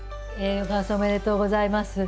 小川さんおめでとうございます。